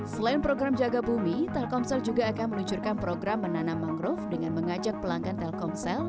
selain program jaga bumi telkomsel juga akan meluncurkan program menanam mangrove dengan mengajak pelanggan telkomsel